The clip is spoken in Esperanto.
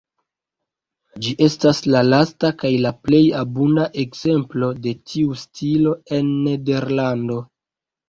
Ĝi estas la lasta kaj plej abunda ekzemplo de tiu stilo en Nederlando.